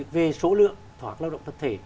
về số lượng tòa cộng đồng tập thể